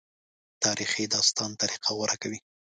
تاریخي داستان طریقه غوره کوي.